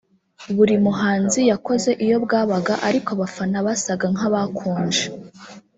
Buri muhanzi yakoze iyo bwabaga ariko abafana basaga nk’abakonje